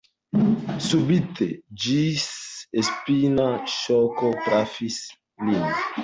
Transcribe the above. Subite ĝisspina ŝoko trafis lin.